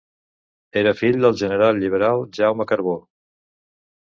Era fill del general liberal Jaume Carbó.